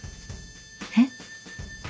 えっ。